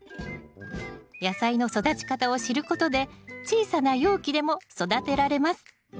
野菜の育ち方を知ることで小さな容器でも育てられます。